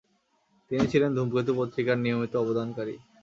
তিনি ছিলেন ধূমকেতু পত্রিকার নিয়মিত অবদানকারী।